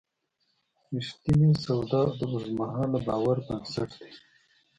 رښتینې سودا د اوږدمهاله باور بنسټ دی.